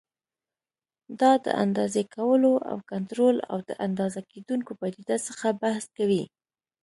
دا د اندازې کولو او کنټرول او د اندازه کېدونکو پدیدو څخه بحث کوي.